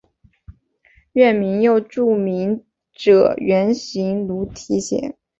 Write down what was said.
院名又著名学者袁行霈题写。